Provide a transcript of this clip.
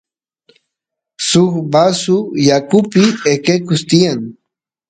suk vasu yakupi eqequs tiyan